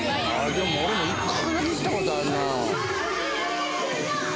でも俺も１回だけ行ったことあるな。